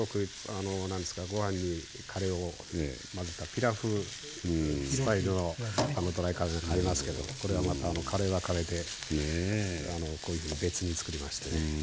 ご飯にカレーを混ぜたピラフスタイルのドライカレーなんかありますけどこれはまたカレーはカレーでこういうふうに別に作りましてね。